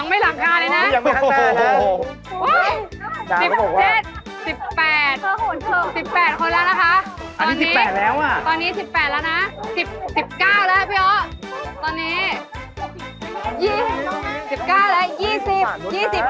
เฮ่ย๑๗๑๘๑๘คนแล้วนะคะตอนนี้อันนี้๑๘แล้ว